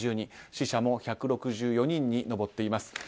死者も１６４人に上っています。